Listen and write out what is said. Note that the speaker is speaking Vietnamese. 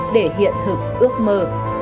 để hiện thực ước mơ